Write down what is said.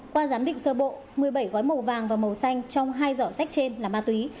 qua giám định sơ bộ một mươi bảy gói màu vàng và màu xanh trong hai giỏ sách trên là ma túy